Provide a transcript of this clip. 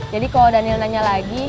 jadi kalau daniel nanya lagi